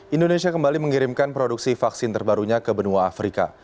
indonesia kembali mengirimkan produksi vaksin terbarunya ke benua afrika